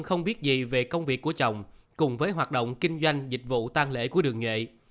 không biết gì về công việc của chồng cùng với hoạt động kinh doanh dịch vụ tăng lễ của đường nhuệ